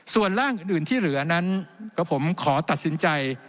ส่วนร่างอื่นที่เหลือนั้นกับผมขอตัดสินใจ